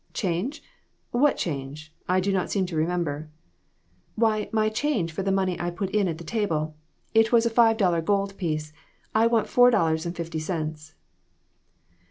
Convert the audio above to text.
"Change? What change? I do not seem to remember." "Why, my change for the money I put in at the table. It was a five dollar gold piece. I want four dollars and fifty cents."